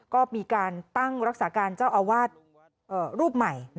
ก็มีการตั้งรักษาการเจ้าอาวาสรูปใหม่